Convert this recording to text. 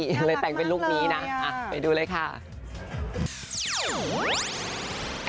หลังเลยแต่งเป็นลูกนี้นะไปดูเลยค่ะน่ารักมากเลย